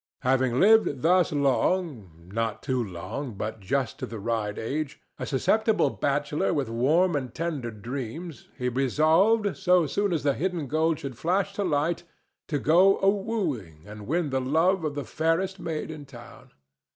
Having lived thus long—not too long, but just to the right age—a susceptible bachelor with warm and tender dreams, he resolved, so soon as the hidden gold should flash to light, to go a wooing and win the love of the fairest maid in town.